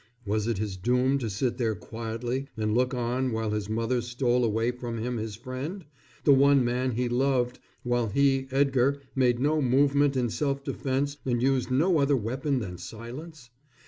Was it his doom to sit there quietly and look on while his mother stole away from him his friend, the one man he loved, while he, Edgar, made no movement in self defence and used no other weapon than silence?